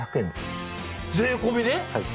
はい。